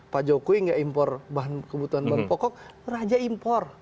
pak jokowi nggak impor bahan kebutuhan bahan pokok raja impor